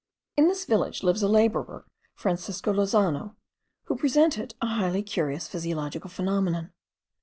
In this village lives a labourer, Francisco Lozano, who presented a highly curious physiological phenomenon.